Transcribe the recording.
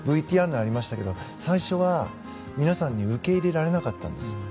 ＶＴＲにありましたけど最初は皆さんに受け入れられなかったんです。